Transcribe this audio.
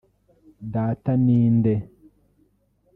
Data ninde